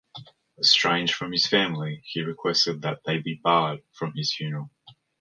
Estranged from his family, he requested that they be barred from his funeral.